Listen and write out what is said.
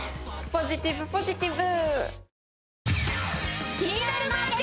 ポジティブポジティブ！